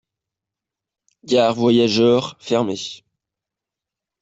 Gare voyageurs fermée.